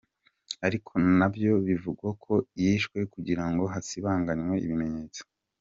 Ariko na byo bivugwa ko yishwe kugira ngo hasibanganywe ibimenyetso.